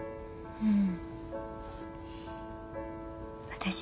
うん。